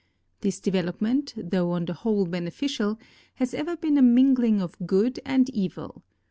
This development, though on the whole beneficial, has ever been a mingling of good and evil.